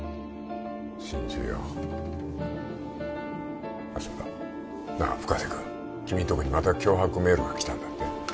信じようそうだなあ深瀬君君んとこにまた脅迫メールが来たんだって？